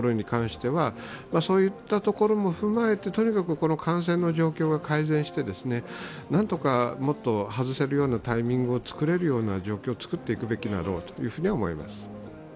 そういったところも踏まえて、とにかく感染の状況が改善して、なんとかもっと外せるようなタイミングを作れるような状況を作っていくべきだろうと思います。